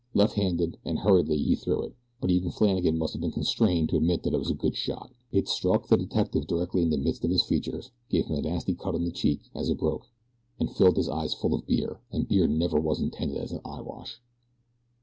Left handed and hurriedly he threw it; but even Flannagan must have been constrained to admit that it was a good shot. It struck the detective directly in the midst of his features, gave him a nasty cut on the cheek as it broke and filled his eyes full of beer and beer never was intended as an eye wash.